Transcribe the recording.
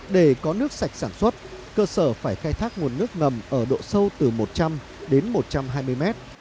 để có nước sạch sản xuất cơ sở phải khai thác nguồn nước ngầm ở độ sâu từ một trăm linh đến một trăm hai mươi mét